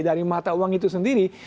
dari mata uang itu sendiri